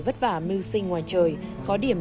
đặc biệt đối với người có tiền